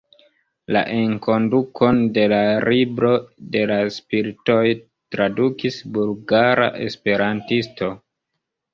La enkondukon de La Libro de la Spiritoj tradukis bulgara esperantisto.